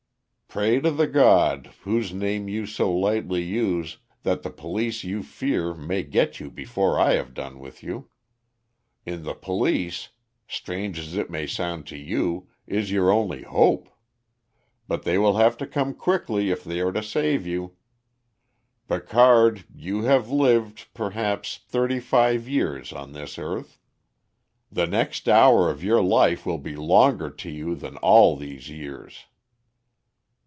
"Pray to the God, whose name you so lightly use, that the police you fear may get you before I have done with you. In the police, strange as it may sound to you, is your only hope; but they will have to come quickly if they are to save you. Picard, you have lived, perhaps, thirty five years on this earth. The next hour of your life will be longer to you than all these years."